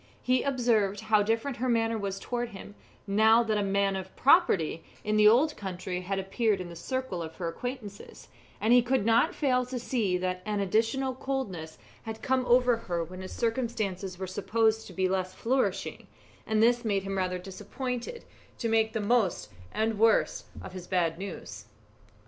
He observed how different her manner was towards him, now that a man of property in the old country had appeared in the circle of her acquaintances, and he could not fail to see that an additional coldness had come over her when his circumstances were supposed to be less flourishing, and this made him rather disposed to make the most and the worst of his bad news.